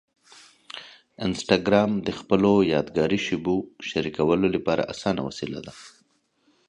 انسټاګرام د خپلو یادګاري شېبو شریکولو لپاره اسانه وسیله ده.